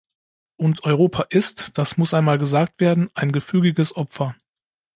Und Europa ist – das muss einmal gesagt werden – ein gefügiges Opfer.